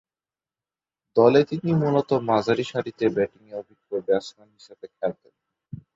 দলে তিনি মূলত মাঝারিসারিতে ব্যাটিংয়ে অভিজ্ঞ ব্যাটসম্যান হিসেবে খেলতেন।